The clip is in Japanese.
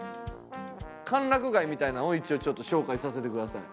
歓楽街みたいなのを一応ちょっと紹介させてください。